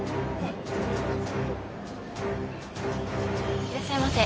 いらっしゃいませ。